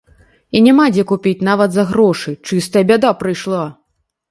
І няма дзе купіць нават за грошы, чыстая бяда прыйшла.